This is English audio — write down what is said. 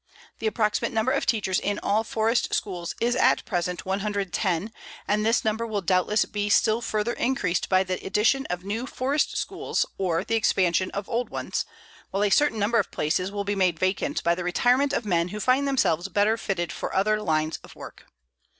The approximate number of teachers in all forest schools is at present 110, and this number will doubtless be still further increased by the addition of new forest schools or the expansion of old ones, while a certain number of places will be made vacant by the retirement of men who find themselves better fitted for other lines of work.